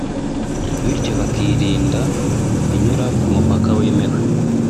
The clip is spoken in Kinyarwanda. bityo bakirinda kunyura k’umupaka wemewe